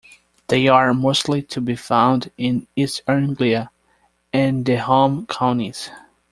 They are mostly to be found in East Anglia and the Home Counties.